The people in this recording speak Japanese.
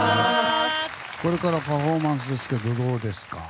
これからパフォーマンスですけどどうですか？